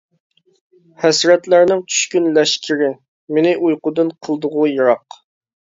ھەسرەتلەرنىڭ چۈشكۈن لەشكىرى، مېنى ئۇيقۇدىن قىلدىغۇ يىراق.